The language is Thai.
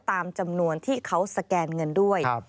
ตามจำนวนที่เขาสแกนเงินด้วย